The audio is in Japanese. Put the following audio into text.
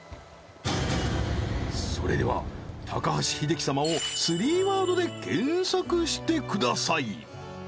それでは高橋英樹様を３ワードで検索してください